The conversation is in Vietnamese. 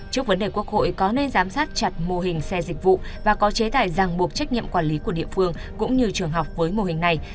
trước vấn đề quốc hội có nên giám sát chặt mô hình xe dịch vụ và có chế tài ràng buộc trách nhiệm quản lý của địa phương cũng như trường học với mô hình này